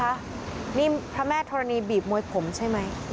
ก็มองว่าพระแม่ธรณีบีบมวยผมใช่ไหม